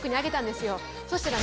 そしたら。